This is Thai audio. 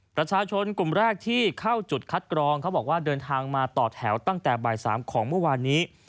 ประชาชนกลุ่มแรกที่เข้าจุดคัดกรองเขาบอกว่าเดินทางมาต่อแถวตั้งแต่บ่าย๓ของเมื่อวานนี้